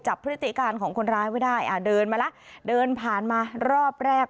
พฤติการของคนร้ายไว้ได้อ่าเดินมาแล้วเดินผ่านมารอบแรก